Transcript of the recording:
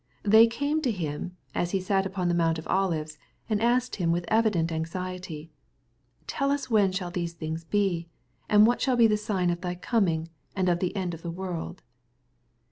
They came to Him, as He sat upon the Mount of Olives, and asked Him with evident anxiety, " Tell us when shall these things be ? and what shall be the sign of thy coming, and of the end of the world